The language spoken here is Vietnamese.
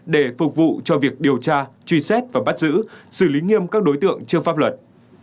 để phục vụ cho việc điều tra truy xét và bắt giữ xử lý nghiêm các đối tượng trước pháp luật